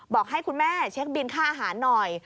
บอกให้คุณแม่เช็คบินค่าอาหารหน่อย